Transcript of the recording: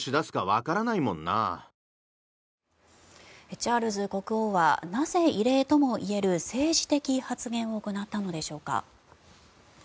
チャールズ国王はなぜ、異例ともいえる政治的発言を行ったのでしょうか。